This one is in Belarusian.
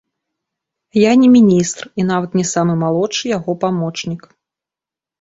Я не міністр і нават не самы малодшы яго памочнік.